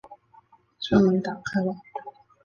车门打开了